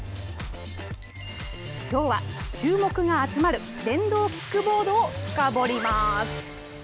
きょうはチューモクが集まる電動キックボードを深掘ります。